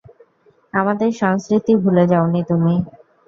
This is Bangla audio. আমাদের সংস্কৃতি ভুলে যাওনি তুমি।